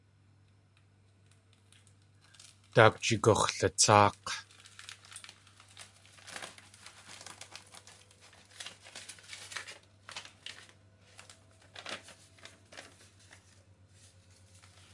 Daak jigux̲latsáak̲.